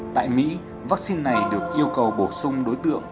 tại mỹ vaccine này được yêu cầu bổ sung đối tượng